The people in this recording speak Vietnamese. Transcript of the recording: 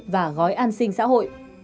và gói an sinh xã hội